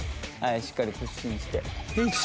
しっかり屈伸して。